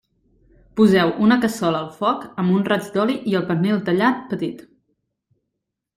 Poseu una cassola al foc amb un raig d'oli i el pernil tallat petit.